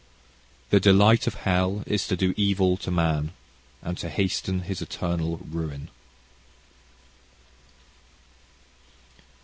"The delight of hell is to do evil to man, and to hasten his eternal ruin."